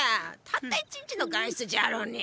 たった一日の外出じゃろうに。